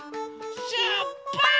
しゅっぱつ！